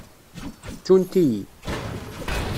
Ttunt-iyi.